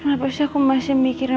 kenapa sih aku masih mikirnya